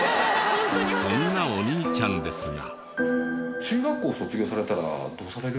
そんなお兄ちゃんですが。